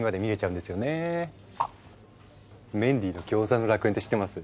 あっ「メンディーのギョーザの楽園」って知ってます？